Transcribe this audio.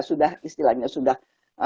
sudah istilahnya sudah